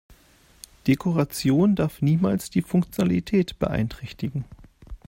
Dekoration darf niemals die Funktionalität beeinträchtigen.